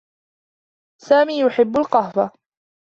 سامي يحبّ القهوة.